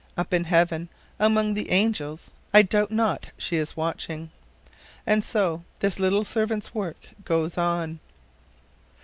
Up in Heaven, among the angels, I doubt not she is watching. And so this little servant's work goes on.